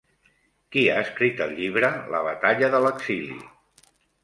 Qui ha escrit el llibre La batalla de l'exili?